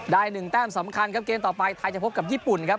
หนึ่งแต้มสำคัญครับเกมต่อไปไทยจะพบกับญี่ปุ่นครับ